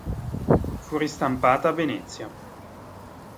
Fu ristampata a Venezia.